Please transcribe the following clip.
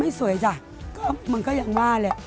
ไม่สวยจ๊ะก็มึงก็ยังว่าแหละ